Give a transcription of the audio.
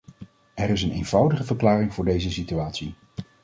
Er is een eenvoudige verklaring voor deze situatie.